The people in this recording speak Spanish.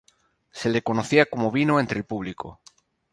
Se le conocía como "Vino" entre el público.